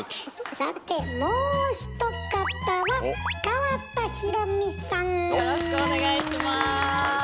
さてもう一方はよろしくお願いします。